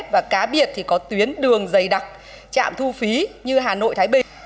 và cá biệt thì có tuyến đường dày đặc trạm thu phí như hà nội thái bình